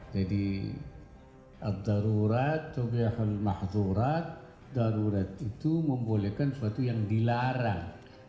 jadi darurat itu membolehkan sesuatu yang dilarang